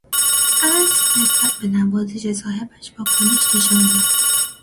اسب نسبت به نوازش صاحبش واکنش نشان داد.